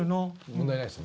問題ないです。